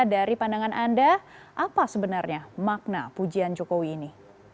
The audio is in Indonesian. dari pandangan anda apa sebenarnya makna pujian jokowi ini